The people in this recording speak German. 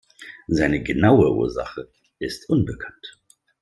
Seine genaue Ursache ist unbekannt.